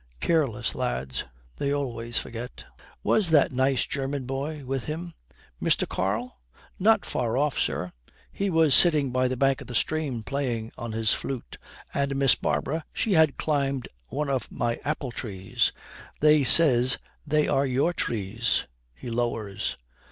Careless lads, they always forget. Was that nice German boy with him?' 'Mr. Karl? Not far off, sir. He was sitting by the bank of the stream playing on his flute; and Miss Barbara, she had climbed one of my apple trees, she says they are your trees.' He lowers.